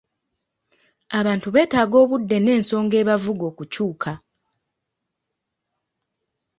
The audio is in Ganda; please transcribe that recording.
Abantu beetaaga obudde n'ensonga ebavuga okukyuka.